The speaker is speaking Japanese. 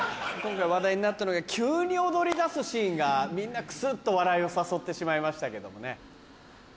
今回話題になったのが急に踊りだすシーンがみんなクスっと笑いを誘ってしまいましたけどもね。